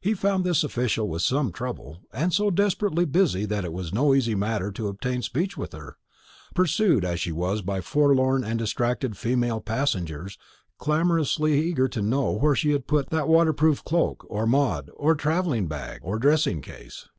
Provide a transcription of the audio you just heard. He found this official with some trouble, and so desperately busy that it was no easy matter to obtain speech with her, pursued as she was by forlorn and distracted female passengers, clamorously eager to know where she had put that "waterproof cloak," or "Maud," or "travelling bag," or "dressing case."